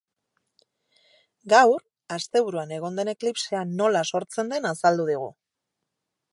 Gaur, asteburuan egon den eklipsea nola sortzen den azaldu digu.